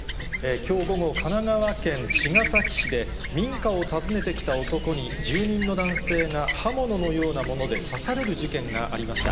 きょう午後、神奈川県茅ヶ崎市で、民家を訪ねてきた男に住人の男性が刃物のようなもので刺される事件がありました。